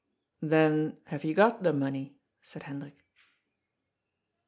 " Them", have you got the money ?" said Hendrik.